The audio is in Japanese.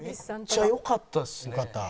めっちゃよかったですね。